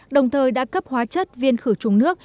đồng thời đã cấp hóa chất viên khử trùng nước